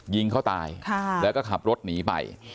ยิงเขาตายแล้วก็ขับรถหนีไป